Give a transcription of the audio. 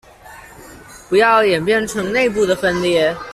不要演變成内部的分裂